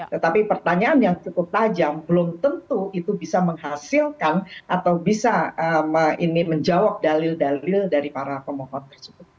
tetapi pertanyaan yang cukup tajam belum tentu itu bisa menghasilkan atau bisa menjawab dalil dalil dari para pemohon tersebut